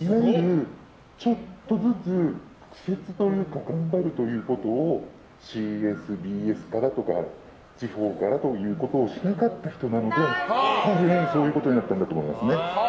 いわゆる、ちょっとずつ頑張るということをＣＳ、ＢＳからとかから始まることをしなかったのでそういうことになったんだと思います。